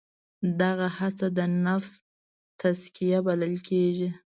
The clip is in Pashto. دغه هڅه د نفس تزکیه بلل کېږي.